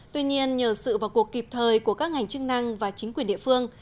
tuy nhiên nhờ sự vào cuộc kịp thời của các ngành chức năng và chính quyền địa phương